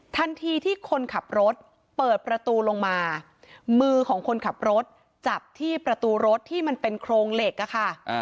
ทันทีที่คนขับรถเปิดประตูลงมามือของคนขับรถจับที่ประตูรถที่มันเป็นโครงเหล็กอะค่ะ